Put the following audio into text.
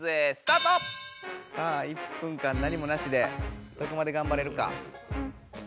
さあ１分間何もなしでどこまでがんばれるか。